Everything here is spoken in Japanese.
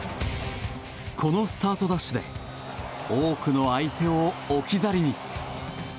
このスタートダッシュで多くの相手を置き去りに。